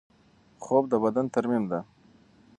خوب د بدن ترمیم دی.